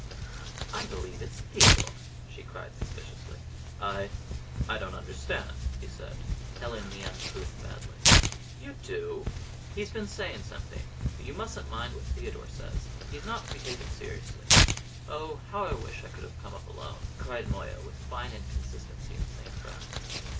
"I believe it's Theodore!" she cried suspiciously. "I I don't understand," he said, telling the untruth badly. "You do! He's been saying something. But you mustn't mind what Theodore says; he's not to be taken seriously. Oh, how I wish I could have come up alone!" cried Moya, with fine inconsistency, in the same breath.